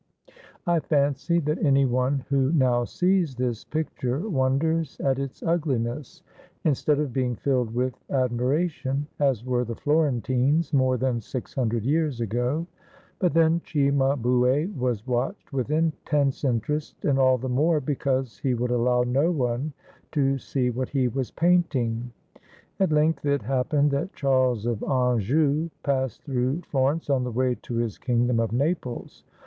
I fancy that any one who now sees this picture won ders at its ugliness, instead of being filled with admira tion, as were the Florentines more than six hundred years ago. But then Cimabue was watched with in tense interest, and all the more because he would allow no one to see what he was painting. At length it hap pened that Charles of Anjou passed through Florence 77 ITALY on the way to his kingdom of Naples.